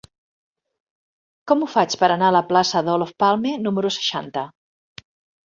Com ho faig per anar a la plaça d'Olof Palme número seixanta?